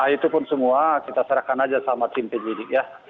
itu pun semua kita serahkan aja sama tim penyidik ya